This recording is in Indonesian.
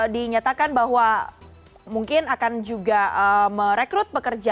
dinyatakan bahwa mungkin akan juga merekrut pekerja